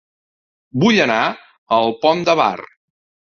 Vull anar a El Pont de Bar